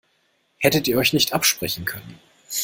Hättet ihr euch nicht absprechen können?